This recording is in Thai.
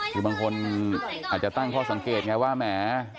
คือบางคนอาจจะตั้งข้อสังเกตไงว่าแหม